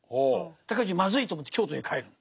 尊氏まずいと思って京都に帰る。